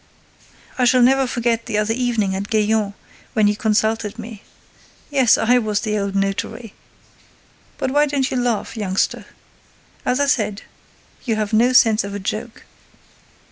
—I shall never forget the other evening at Gaillon, when you consulted me.—Yes, I was the old notary!—But why don't you laugh, youngster? As I said, you have no sense of a joke.